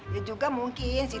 ya juga mungkin sih